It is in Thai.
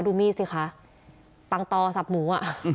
ดูมีดสิคะปังตอสับหมูอ่ะ